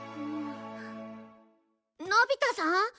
のび太さん？